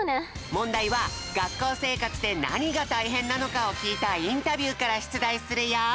もんだいはがっこうせいかつでなにがたいへんなのかをきいたインタビューからしゅつだいするよ！